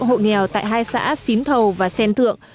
hộ nghèo tại hai xã xín thầu và sen thượng